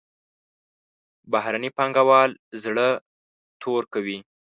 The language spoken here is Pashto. بهرني پانګوال زړه تور کوي.